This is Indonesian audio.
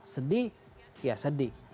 sedih ya sedih